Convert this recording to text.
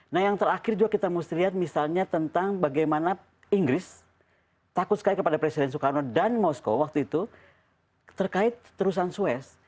nah yang terakhir juga kita mesti lihat misalnya tentang bagaimana inggris takut sekali kepada presiden soekarno dan moskow waktu itu terkait terusan suez